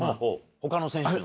他の選手の？